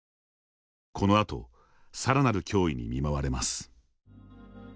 このあと、さらなる脅威に見舞われます。